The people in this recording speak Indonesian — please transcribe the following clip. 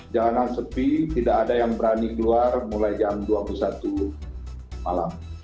jalanan sepi tidak ada yang berani keluar mulai jam dua puluh satu malam